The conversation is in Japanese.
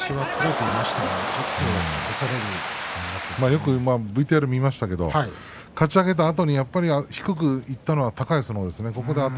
よくＶＴＲ見ましたがかち上げたあとに低くいったのは高安の方ですね。